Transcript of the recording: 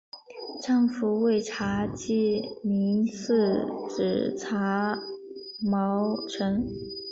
丈夫为查济民次子查懋成。